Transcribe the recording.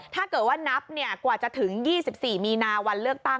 ถ้าเกิดว่านับกว่าจะถึง๒๔มีนาวันเลือกตั้ง